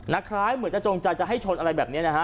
คล้ายเหมือนจะจงใจจะให้ชนอะไรแบบนี้นะฮะ